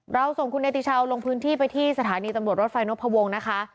เราส่งคุณเนติชาวลงพื้นที่ไปที่สถานีตำรวจรถไฟนพวงนะคะ